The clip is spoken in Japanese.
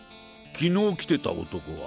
昨日来てた男は？